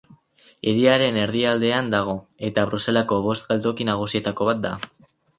Hiriaren erdialdean dago, eta Bruselako bost geltoki nagusietako bat da.